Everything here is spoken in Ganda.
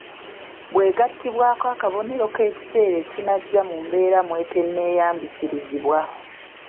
Bw’egattibwako akabonero k’ekiseera ekinajja mu mbeera mw’etenneeyambisirizibwa.